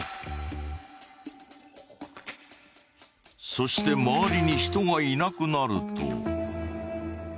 そして周りに人がいなくなると。